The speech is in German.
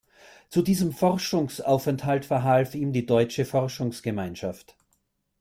Zu diesem Forschungsaufenthalt verhalf ihm die Deutsche Forschungsgemeinschaft.